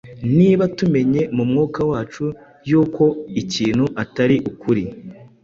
Niba tumenye mu mwuka wacu yuko ikintu atari ukuri